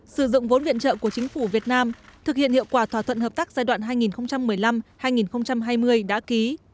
sử dụng vốn viện trợ của chính phủ việt nam thực hiện hiệu quả thỏa thuận hợp tác giai đoạn hai nghìn một mươi năm hai nghìn hai mươi đã ký